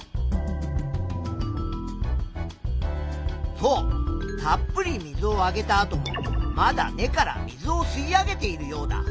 そうたっぷり水をあげたあともまだ根から水を吸い上げているヨウダ。